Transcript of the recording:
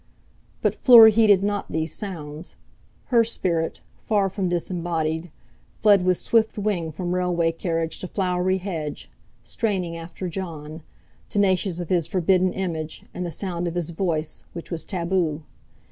But Fleur heeded not these sounds; her spirit, far from disembodied, fled with swift wing from railway carriage to flowery hedge, straining after Jon, tenacious of his forbidden image, and the sound of his voice, which was taboo.